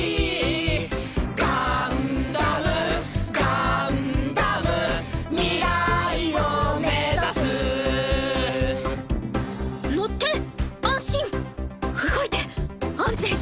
ガンダムガンダム未来を目指す乗って安心動いて安全。